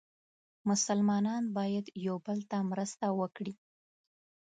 مسلمانان باید یو بل ته مرسته وکړي.